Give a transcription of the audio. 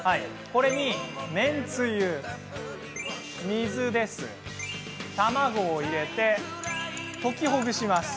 これに麺つゆ、水を入れて、卵を割り入れて溶きほぐします。